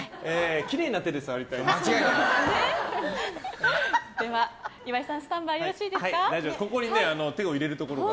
きれいな手で触りたいですから。